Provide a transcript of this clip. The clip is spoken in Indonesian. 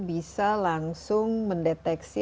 bisa langsung mendeteksi